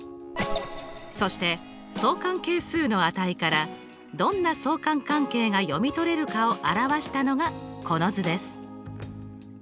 そして相関係数の値からどんな相関関係が読み取れるかを表したのがこの図です。